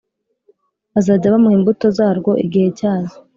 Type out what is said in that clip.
bazajya bamuha imbuto za rwo igihe cya zo.”